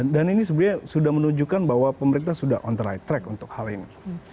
dan ini sebenarnya sudah menunjukkan bahwa pemerintah sudah on the right track untuk hal ini